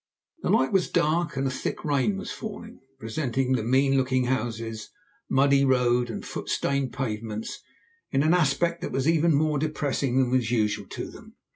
The night was dark and a thick rain was falling, presenting the mean looking houses, muddy road, and foot stained pavements in an aspect that was even more depressing than was usual to them.